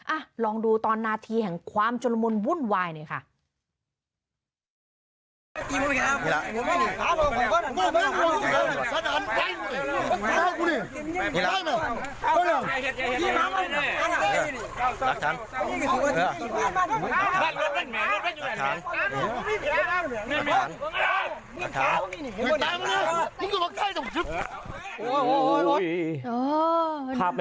อ่ะลองดูตอนนาทีแห่งความจรมนต์วุ่นวายเนี้ยค่ะ